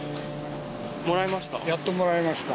もらえました？